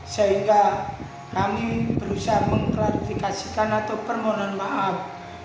sehingga kami berusaha mengklarifikasikan atau permohonan maaf